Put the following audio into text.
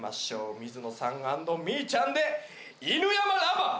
水野さん＆みーちゃんで「犬山ＬＯＶＥＲ」。